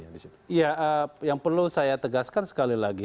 ya yang perlu saya tegaskan sekali lagi